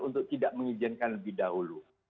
untuk tidak mengizinkan lebih dahulu